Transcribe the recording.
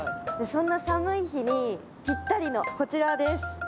そんな寒い日にピッタリのこちらです。